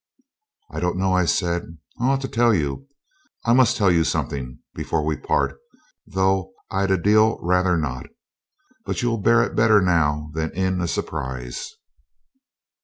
'I don't know,' I said. 'I ought to tell you I must tell you something before we part, though I'd a deal rather not. But you'll bear it better now than in a surprise.'